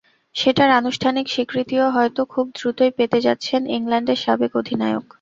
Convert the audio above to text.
সেটার আনুষ্ঠানিক স্বীকৃতিও হয়তো খুব দ্রুতই পেতে যাচ্ছেন ইংল্যান্ডের সাবেক অধিনায়ক।